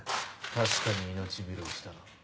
確かに命拾いしたな。